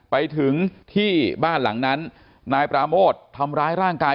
ไปถึงที่บ้านหลังนั้นนายปราโมททำร้ายร่างกาย